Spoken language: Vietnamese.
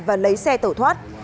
và lấy xe tổ thoát